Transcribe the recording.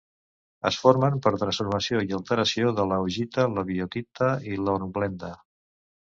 Es formen per transformació i alteració de l'augita, la biotita i l'hornblenda.